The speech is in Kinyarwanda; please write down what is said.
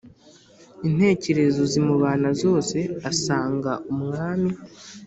intekerezo zimubana zose asanga umwami